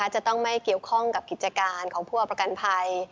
จะต้องไม่เกี่ยวข้องกับกิจการของผู้เอาประกันภัย